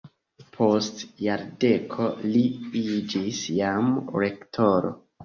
Post jardeko li iĝis jam rektoro.